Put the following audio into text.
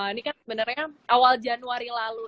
ini kan sebenarnya awal januari lalu